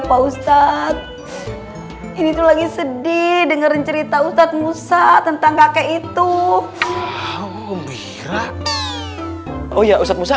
pak ustadz ini tuh lagi sedih dengerin cerita ustadz musa tentang kakek itu gembira oh ya ustadz musa